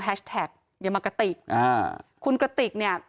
อย่ามากระติกอ่าคุณกระติกเนี่ย